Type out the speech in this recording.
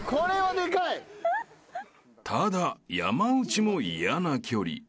［ただ山内も嫌な距離］